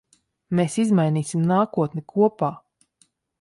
Mēs izmainīsim nākotni kopā.